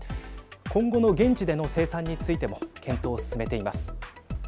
今後の現地での生産についても検討を進めています。